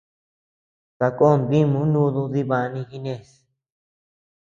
Sakón dimoo nudu dibani jinés.